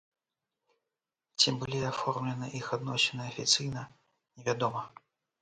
Ці былі аформлены іх адносіны афіцыйна, невядома.